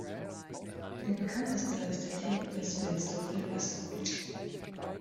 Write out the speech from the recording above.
Der bekannteste ist der TuS Wilnsdorf-Wilgersdorf.